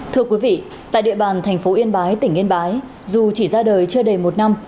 thưa quý vị tại địa bàn thành phố yên bái tỉnh yên bái dù chỉ ra đời chưa đầy một năm